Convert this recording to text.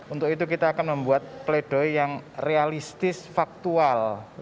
untuk itu kita akan membuat pledoi yang realistis faktual